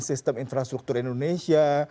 sistem infrastruktur indonesia